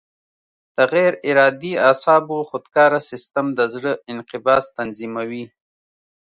د غیر ارادي اعصابو خودکاره سیستم د زړه انقباض تنظیموي.